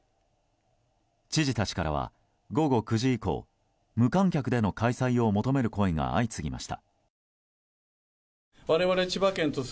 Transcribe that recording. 知事たちからは、午後９時以降無観客での開催を求める声が相次ぎました。